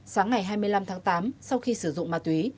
sáng ngày hai mươi năm tháng tám sau khi sử dụng ma túy